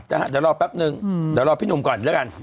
เดี๋ยวรอแป๊บนึงเดี๋ยวรอพี่หนุ่มก่อนแล้วกัน